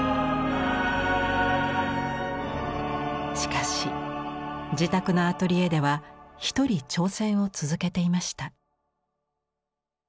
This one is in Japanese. しかし自宅のアトリエでは１人挑戦を続けていました。